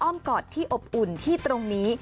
กอดที่อบอุ่นที่ตรงนี้